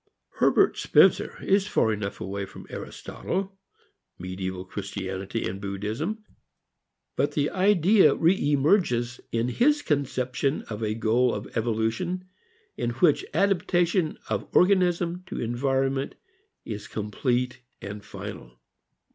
Herbert Spencer is far enough away from Aristotle, medieval Christianity and Buddhism; but the idea re emerges in his conception of a goal of evolution in which adaptation of organism to environment is complete and final.